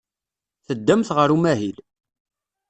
Teddamt ɣer umahil.